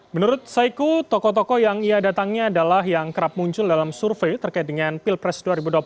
menurut saiku tokoh tokoh yang ia datangnya adalah yang kerap muncul dalam survei terkait dengan pilpres dua ribu dua puluh empat